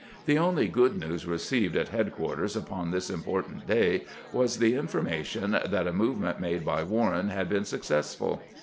The only good news received at headquarters upon this important day was the information that a move ment made by Warren had been successful.